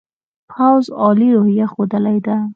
پوځ عالي روحیه ښودلې ده.